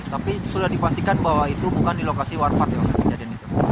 tapi sudah dipastikan bahwa itu bukan di lokasi warpat yang kejadian itu